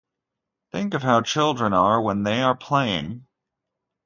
Think of how children are when they are playing.